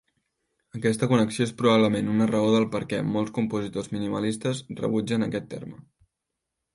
Aquesta connexió és probablement una raó del perquè molts compositors minimalistes rebutgen aquest terme.